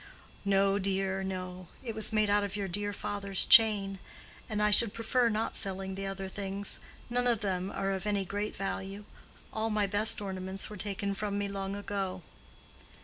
"No, dear, no; it was made out of your dear father's chain. And I should prefer not selling the other things. None of them are of any great value. All my best ornaments were taken from me long ago."